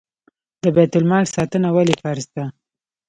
د بیت المال ساتنه ولې فرض ده؟